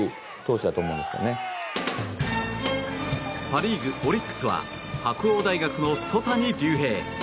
パ・リーグ、オリックスは白鴎大学の曽谷龍平。